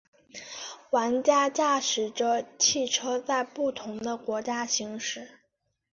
玩家驾驶着汽车在不同的国家行驶。